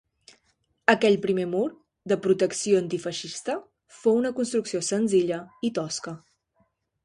Aquell primer mur, de “protecció antifeixista”, fou una construcció senzilla i tosca.